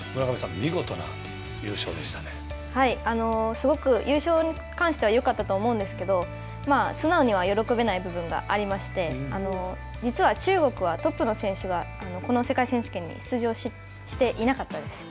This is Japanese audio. すごく優勝に関してはよかったと思うんですけれども、素直には、喜べない部分がありまして、実は中国は、トップの選手がこの世界選手権に、出場していなかったんですね。